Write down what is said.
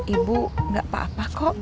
ibu gak apa apa kok